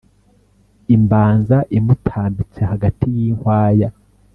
Imbaza imutambitse hagati y’inkwaya